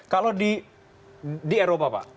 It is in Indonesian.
kalau di eropa pak